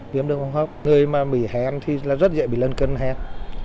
viêm đường hộp người mà bị hèn thì rất dễ bị lân cân hèn